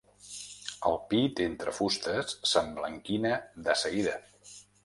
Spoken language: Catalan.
El pit entre fustes s'emblanquina de seguida.